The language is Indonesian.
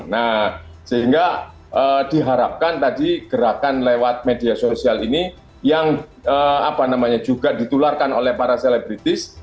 nah sehingga diharapkan tadi gerakan lewat media sosial ini yang juga ditularkan oleh para selebritis